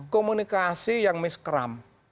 komunikasi yang miskram